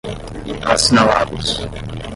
assinalados